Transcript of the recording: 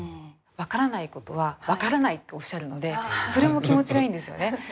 分からないことは分からないっておっしゃるのでそれも気持ちがいいんですよね。